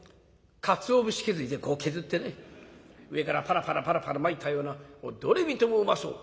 かつお節削りでこう削ってね上からパラパラパラパラまいたようなどれ見てもうまそう。